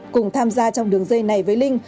cùng tham gia trong đường dây này với linh